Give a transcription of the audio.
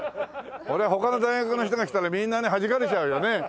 そりゃ他の大学の人が来たらみんなにはじかれちゃうよね。